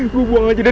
gue buang aja deh